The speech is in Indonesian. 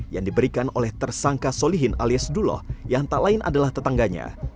yang diberikan oleh tersangka solihin alias duloh yang tak lain adalah tetangganya